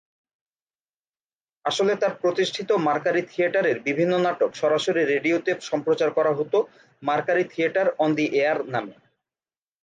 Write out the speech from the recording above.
আসলে তার প্রতিষ্ঠিত মার্কারি থিয়েটারের বিভিন্ন নাটক সরাসরি রেডিওতে সম্প্রচার করা হতো "Mercury Theatre on the air" নামে।